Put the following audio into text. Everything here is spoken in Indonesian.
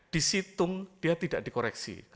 di situng dia tidak dikoreksi